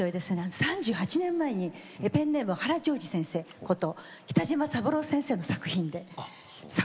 ３８年前にペンネーム原譲二先生こと北島三郎先生の作品で作詞作曲歌唱の。